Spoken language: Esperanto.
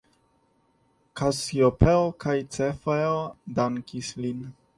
Kasiopeo kaj Cefeo dankis lin.